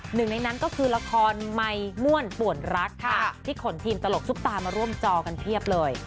หนึ่งในนั้นก็คือละครไมค์ม่วนป่วนรักค่ะที่ขนทีมตลกซุปตามาร่วมจอกันเพียบเลย